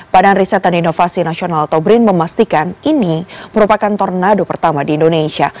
badan riset dan inovasi nasional atau brin memastikan ini merupakan tornado pertama di indonesia